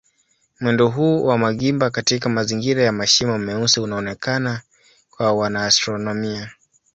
Mwendo huu wa magimba katika mazingira ya mashimo meusi unaonekana kwa wanaastronomia.